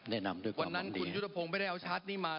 แนะนำด้วยความมองดีวันนั้นคุณยุทธพงศ์ไม่ได้เอาชาร์จนี่มา